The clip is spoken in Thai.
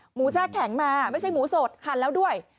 แช่แข็งมาไม่ใช่หมูสดหั่นแล้วด้วย